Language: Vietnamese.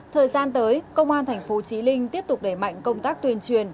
thời gian tới công an tp trí linh tiếp tục đẩy mạnh công tác tuyên truyền